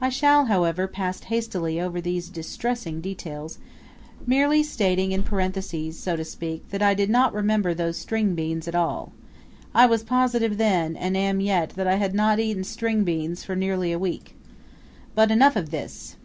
I shall, however, pass hastily over these distressing details, merely stating in parentheses, so to speak, that I did not remember those string beans at all. I was positive then, and am yet, that I had not eaten string beans for nearly a week. But enough of this!